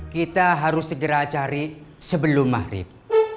kita harus segera cari sebelum maghrib